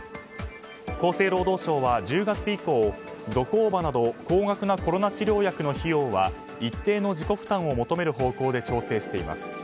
厚生労働省は１０月以降ゾコーバなど高額なコロナ治療薬の費用は一定の自己負担を求める方向で調整しています。